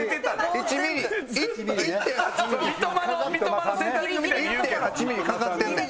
１．８ミリかかってんねん。